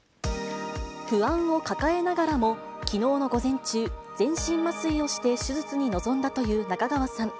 不安を抱えながらも、きのうの午前中、全身麻酔をして手術に臨んだという中川さん。